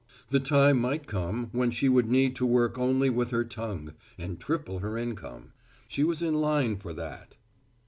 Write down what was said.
The time might come when she would need to work only with her tongue and triple her income. She was in line for that.